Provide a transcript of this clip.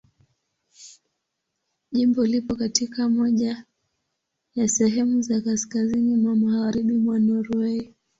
Jimbo lipo katika moja ya sehemu za kaskazini mwa Magharibi mwa Norwei.